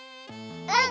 うん！